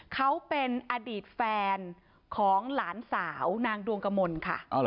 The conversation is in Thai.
เขาเป็นอดีตแฟนของหลานสาวนางดวงกมลค่ะ